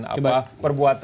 pemerintah kepada rakyatnya